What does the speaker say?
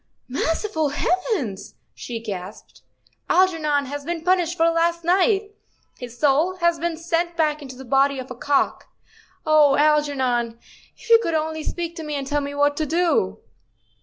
"Merciful heavens! " she gasped, "Algernon has been punished for last night. His soul has been sent back into the body of a cock. Oh, Algernon, if you could only speak to me and tell me what to do."